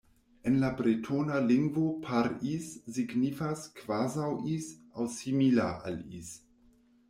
En la bretona lingvo "Par Is" signifas "kvazaŭ Is" aŭ "simila al Is".